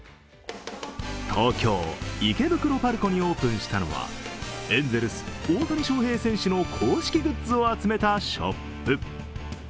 東京・池袋パルコにオープンしたのはエンゼルス・大谷翔平選手の公式グッズを集めたショップ。